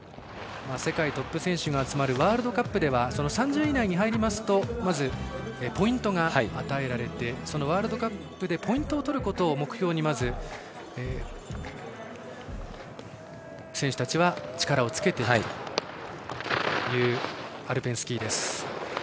世界トップ選手が集まるワールドカップでは３０位以内に入りますとまずポイントが与えられてワールドカップでポイントを取ることを目標にまず選手たちは力をつけていくというアルペンスキーです。